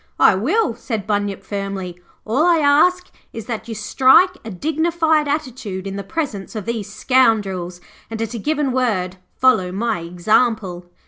'I will,' said Bunyip firmly. 'All I ask is that you strike a dignified attitude in the presence of these scoundrels, and, at a given word, follow my example.'